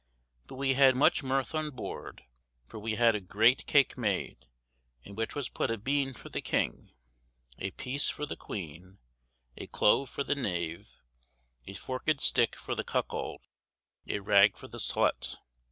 But wee had much myrth on board, for wee had a greate kake made, in which was put a beane for the king, a pease for the queen, a cloave for the knave, a forked stick for the cuckold, a ragg for the slutt.